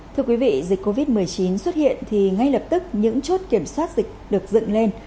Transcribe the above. thưa quý vị dịch covid một mươi chín xuất hiện thì ngay lập tức những chốt kiểm soát dịch được dựng lên